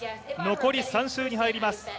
残り３周に入ります。